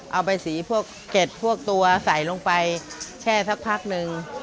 เอาใบสีพวกเก็ดพวกตัวใส่ลงไปแช่สักพักหนึ่ง